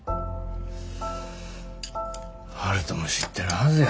悠人も知ってるはずや。